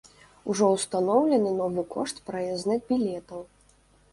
Ужо ўстаноўлены новы кошт праязных білетаў.